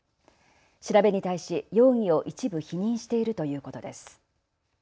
調べに対し容疑を一部否認しているということです。